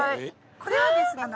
これはですね。